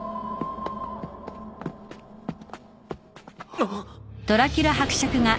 あっ。